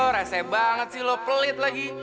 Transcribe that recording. rasanya banget sih lo pelit lagi